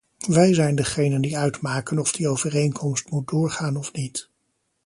Wij zijn degenen die uitmaken of die overeenkomst moet doorgaan of niet.